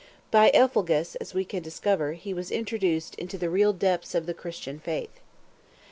By Elphegus, as we can discover, he was introduced into the real depths of the Christian faith.